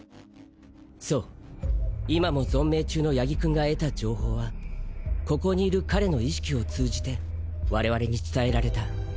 そう今も存命中の八木くんが得た情報はここにいる彼の意識を通じて我々に伝えられた。